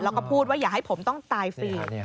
แล้วก็พูดว่าอย่าให้ผมต้องตายฟรี